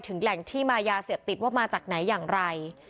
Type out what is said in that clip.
แหล่งที่มายาเสพติดว่ามาจากไหนอย่างไร